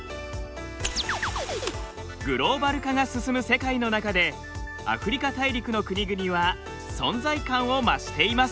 グローバル化が進む世界の中でアフリカ大陸の国々は存在感を増しています。